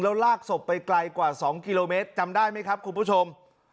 แล้วลากศพไปไกลกว่า๒กิโลเมตรจำได้ไหมครับคุณผู้ชม